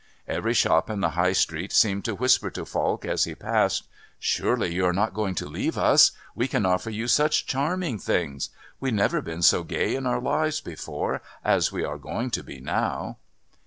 Every shop in the High Street seemed to whisper to Falk as he passed: "Surely you are not going to leave us. We can offer you such charming things. We've never been so gay in our lives before as we are going to be now."